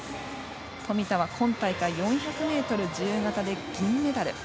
富田は今大会４００ｍ自由形で銀メダル。